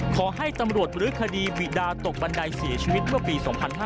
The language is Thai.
ขอให้ตำรวจบรื้อคดีบิดาตกบันไดเสียชีวิตเมื่อปี๒๕๕๙